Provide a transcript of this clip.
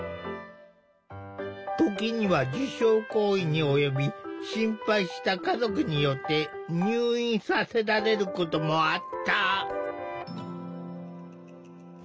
時には自傷行為に及び心配した家族によって入院させられることもあった。